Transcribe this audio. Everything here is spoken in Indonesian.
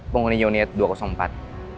penghuni unit dua ratus empat